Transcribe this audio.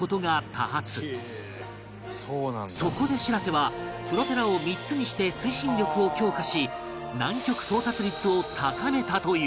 そこでしらせはプロペラを３つにして推進力を強化し南極到達率を高めたという